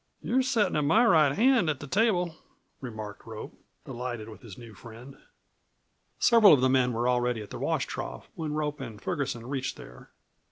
"You're settin' at my right hand at the table," remarked Rope, delighted with his new friend. Several of the men were already at the washtrough when Rope and Ferguson reached there.